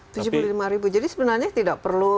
tujuh puluh lima ribu jadi sebenarnya tidak perlu